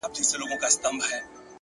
اخلاق د انسان له شتمنۍ لوړ دي.